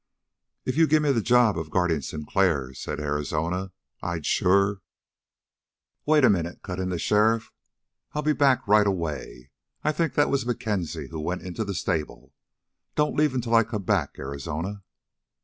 "If you gimme the job of guarding Sinclair," said Arizona, "I'd sure " "Wait a minute," cut in the sheriff. "I'll be back right away. I think that was MacKenzie who went into the stable. Don't leave till I come back, Arizona."